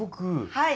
はい。